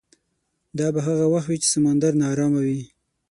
دا به هغه وخت وي چې سمندر ناارامه وي.